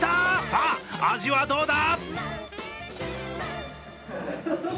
さあ、味はどうだ？